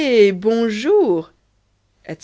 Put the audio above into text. bonjour. Etc.